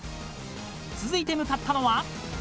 ［続いて向かったのは？］